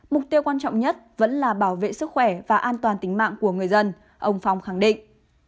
mục tiêu quan trọng nhất vẫn là bảo vệ sức khỏe và an toàn tính mạng của người dân ông phong khẳng định